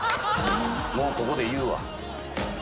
もうここで言うわ。